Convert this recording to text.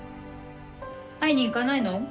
会いに行かないの？